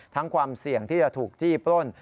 ความเสี่ยงที่จะถูกจี้ปล้น